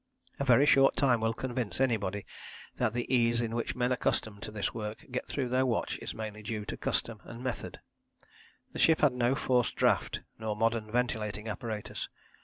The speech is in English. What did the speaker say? A very short time will convince anybody that the ease with which men accustomed to this work get through their watch is mainly due to custom and method. The ship had no forced draught nor modern ventilating apparatus.